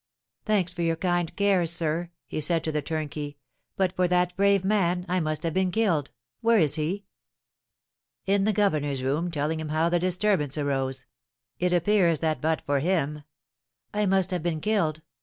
"Thanks for your kind cares, sir," he said to the turnkey. "But for that brave man, I must have been killed. Where is he?" "In the governor's room, telling him how the disturbance arose. It appears that but for him " "I must have been killed.